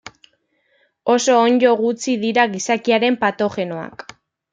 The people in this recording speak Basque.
Oso onddo gutxi dira gizakiaren patogenoak.